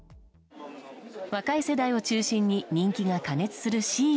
若い世代を中心に人気が過熱するＳＨＥＩＮ。